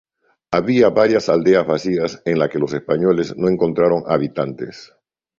Había varias aldeas vacías, en la que los españoles no encontraron habitantes.